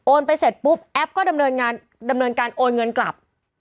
ไปเสร็จปุ๊บแอปก็ดำเนินการโอนเงินกลับ